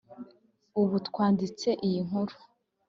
ubu twanditse iyi nkuru